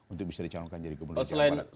untuk bisa dicanonkan jadi kebenaran jawa barat